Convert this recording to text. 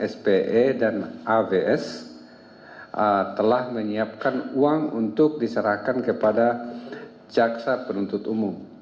spe dan avs telah menyiapkan uang untuk diserahkan kepada jaksa penuntut umum